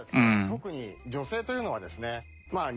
特に女性というのはですね